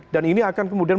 dan ini akan kemudian